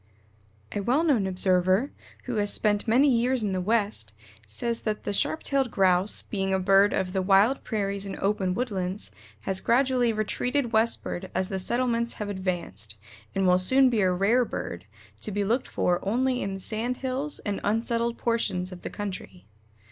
C. C. M. A well known observer, who has spent many years in the West, says that the Sharp tailed Grouse, being a bird of the wild prairies and open woodlands, has gradually retreated westward as the settlements have advanced, and will soon be a rare bird, to be looked for only in the sand hills and unsettled portions of the country.